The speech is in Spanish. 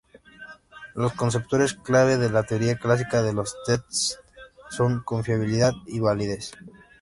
Los conceptos clave de la teoría clásica de los tests son: confiabilidad y validez.